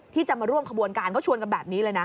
ที่จะมาร่วมขบวนการเขาชวนกันแบบนี้เลยนะ